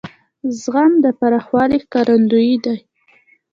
زغم د پوخوالي ښکارندوی دی.